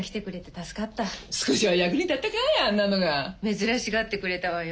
珍しがってくれたわよ。